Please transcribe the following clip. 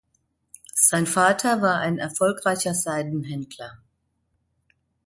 Sein Vater war ein erfolgreicher Seidenhändler.